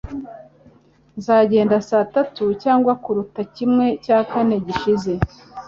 Nzagenda saa tatu, cyangwa kuruta kimwe cya kane gishize.